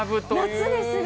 夏ですね。